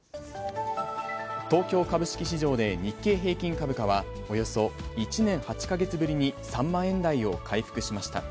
東京株式市場で日経平均株価は、およそ１年８か月ぶりに３万円台を回復しました。